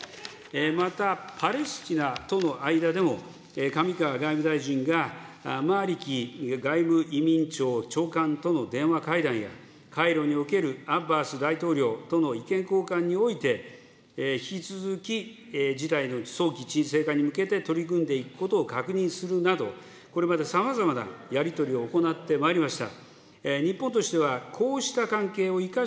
また、パレスチナとの間でも、上川外務大臣がマリキ長官との電話会談や、カイロにおけるアッバス大統領との意見交換において引き続き、事態の早期沈静化に向けて取り組んでいくことを確認するなど、これまでさまざまなやり取りを行ってまいりました。